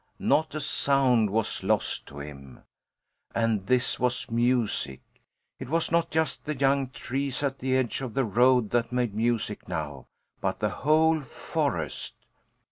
Not a sound was lost to him. Ah, this was music! It was not just the young trees at the edge of the road that made music now, but the whole forest.